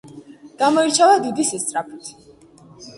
გამოირჩევა დიდი სისწრაფით.